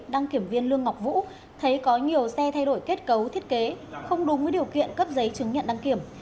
đăng kiểm viên lương ngọc vũ thấy có nhiều xe thay đổi kết cấu thiết kế không đúng với điều kiện cấp giấy chứng nhận đăng kiểm